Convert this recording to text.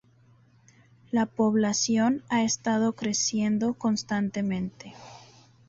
La población ha estado creciendo constantemente.